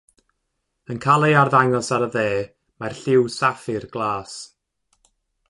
Yn cael ei arddangos ar y dde mae'r lliw saffir glas.